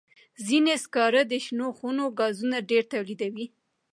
ځینې سکاره د شنو خونو ګازونه ډېر تولیدوي.